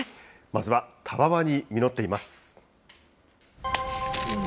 まずはたわわに実っています。